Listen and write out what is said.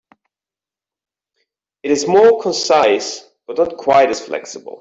It is more concise but not quite as flexible.